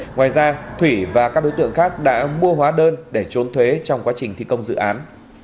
ngoài ra thủy và các đối tượng khác đã mua hóa đơn để trốn thuế trong quá trình thi công dự án